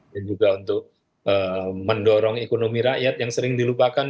dan juga untuk mendorong ekonomi rakyat yang sering dilupakan